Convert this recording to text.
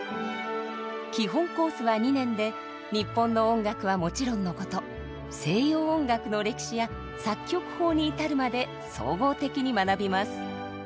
基本コースは２年で日本の音楽はもちろんのこと西洋音楽の歴史や作曲法に至るまで総合的に学びます。